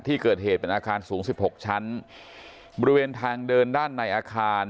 ที่เกิดเหตุเป็นอาคารสูงสิบหกชั้นบริเวณทางเดินด้านในอาคาร